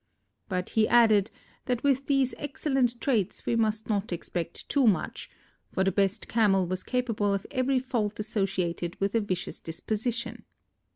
But he added that with these excellent traits we must not expect too much, for the best Camel was capable of every fault associated with a vicious disposition.